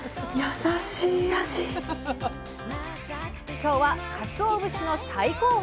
今日はかつお節の最高峰！